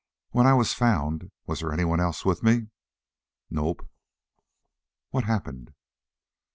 "When I was found was anyone else with me?" "Nope." "What happened?"